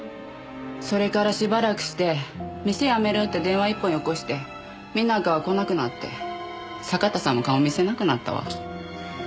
それからしばらくして店辞めるって電話一本よこして皆子は来なくなって酒田さんも顔見せなくなったわ。